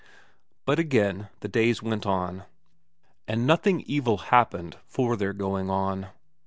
But again the days went on, and nothing evil happened for their going on.